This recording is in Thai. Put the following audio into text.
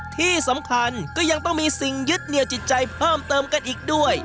ที่สำคัญก็ยังต้องมีสิ่งยึดเหนียวจิตใจเพิ่มเติมกันอีกด้วย